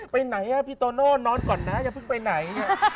ไปไหนพี่โตโน่นอนก่อนนะอย่าเพิ่งไปไหน